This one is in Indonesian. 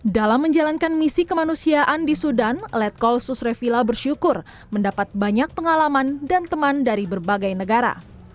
dalam menjalankan misi kemanusiaan di sudan letkol susrevila bersyukur mendapat banyak pengalaman dan teman dari berbagai negara